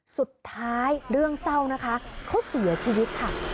เรื่องเศร้านะคะเขาเสียชีวิตค่ะ